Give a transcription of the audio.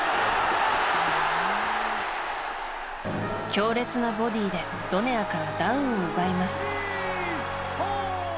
強烈なボディーでドネアからダウンを奪います。